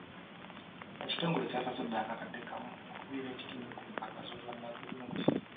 Ekitongole kyasasudde akakadde kamu okubeera ekitundu ku mpaka z'obwannalulungi.